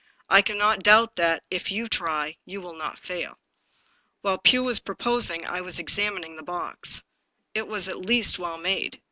I cannot doubt that, if you try, you will not fail." While Pugh was prosing, I was examining the box. It was at least well made.